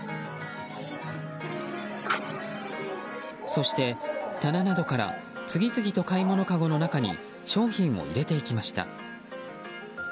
そして棚などから次々と買い物かごの中に商品を入れていきました。